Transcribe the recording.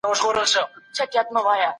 هغه وويل چي ليکنه مهمه ده.